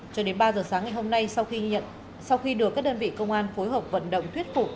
cho đến ba h sáng ngày hôm nay sau khi được các đơn vị công an phối hợp vận động thuyết phục